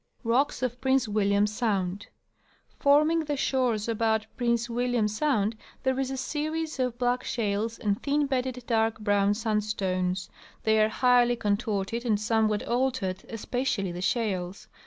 Rocks of Prince William Sound. — Forming the shores about Prince William sound there is a series of black shales and thin bedded dark brown sandstones. They are highly contorted and .somewhat altered, especially the shales.